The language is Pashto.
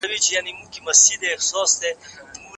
د ټولګي کار څنګه د مفاهیمو وضاحت کوي؟